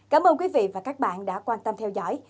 cảm ơn quý vị và các bạn đã quan tâm theo dõi